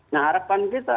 nah harapan kita